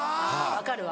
分かるわ。